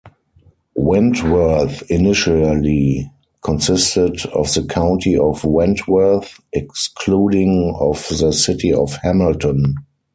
Wentworth initially consisted of the county of Wentworth, excluding of the city of Hamilton.